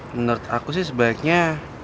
menurut aku sih sebaiknya